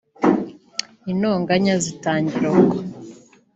intoganya zitangira ubwo